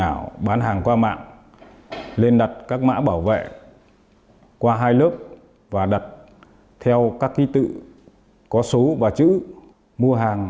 các bạn bán hàng qua mạng lên đặt các mã bảo vệ qua hai lớp và đặt theo các ký tự có số và chữ mua hàng